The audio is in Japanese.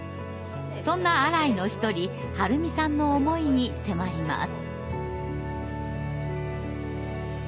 そんなアライの一人春美さんの思いに迫ります。